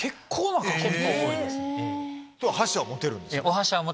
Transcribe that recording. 箸は持てるんですよね？